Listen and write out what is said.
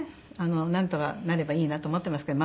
なんとかなればいいなと思ってますけどま